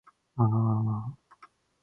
ぁー